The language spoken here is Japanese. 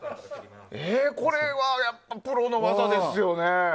これはやっぱりプロの技ですよね。